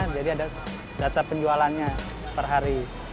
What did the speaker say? jadi ada data penjualannya per hari